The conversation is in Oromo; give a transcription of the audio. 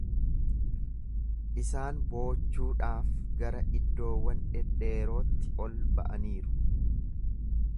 Isaan boochuudhaaf gara iddoowwan dhedheerootti ol ba’aniiru.